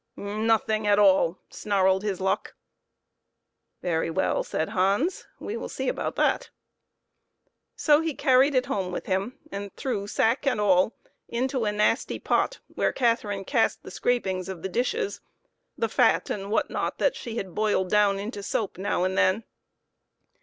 " Nothing at all," snarled his luck. "Very well," said Hans, "we will see about that." So he carried it home with him, and threw sack and all into a nasty pot where Cath erine cast the scrapings of the dishes the fat and what not that she boiled down into soap now and then.